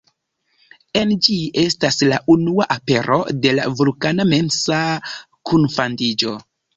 En ĝi estas la unua apero de la Vulkana mensa kunfandiĝo.